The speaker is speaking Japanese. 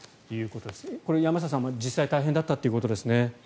これは山下さん、実際に大変だったということですね。